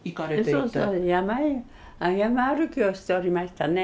そうそう山歩きをしておりましたね。